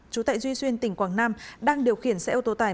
trú tại duy xuyên tỉnh quảng nam đang điều khiển xe ô tô tải